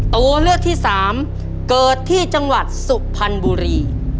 ตัวเลือกที่สามเกิดที่จังหวัดสุพรรณบุรี